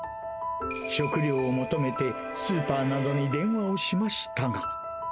食料を求めてスーパーなどに電話をしましたが。